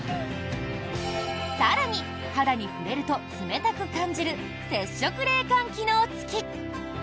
更に、肌に触れると冷たく感じる接触冷感機能付き。